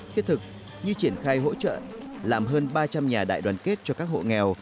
thiết thực như triển khai hỗ trợ làm hơn ba trăm linh nhà đại đoàn kết cho các hộ nghèo